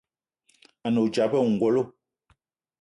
A ne odzap ayi ongolo.